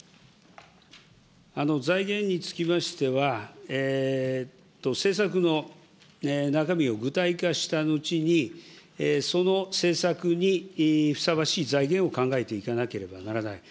財源につきましては、政策の中身を具体化した後に、その政策にふさわしい財源を考えていかなければならない。